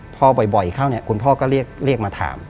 พอบ่อยเข้าเนี่ยคุณพ่อก็เรียกมาถาม